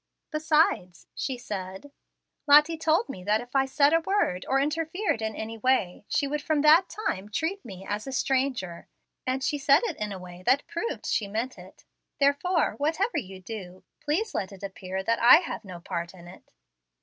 "Besides," she said, "Lottie told me that if I said a word, or interfered in any way, she would from that time treat me as a stranger, and she said it in a way that proved she meant it. Therefore, whatever you do, please let it appear that I have no part in it."